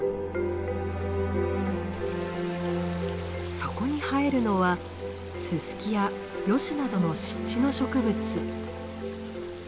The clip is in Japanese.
そこに生えるのはススキやヨシなどの湿地の植物。